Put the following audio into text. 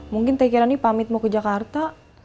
mungkin teh kirani pamit mau ke jakarta